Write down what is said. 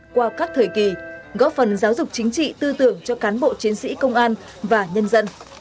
qua các thời kỳ góp phần giáo dục chính trị tư tưởng cho cán bộ chiến sĩ công an và nhân dân